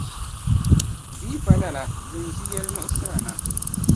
di yi pa lala di ni ʒi yɛli' muɣisira na.